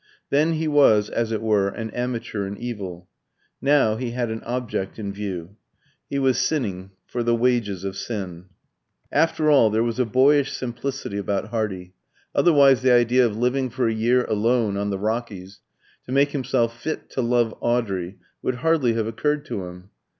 Then he was, as it were, an amateur in evil. Now he had an object in view he was sinning for the wages of sin. After all, there was a boyish simplicity about Hardy; otherwise the idea of living for a year alone on the Rockies, to make himself "fit to love Audrey," would hardly have occurred to him.